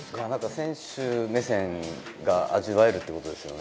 選手目線が味わえるっていうことですよね。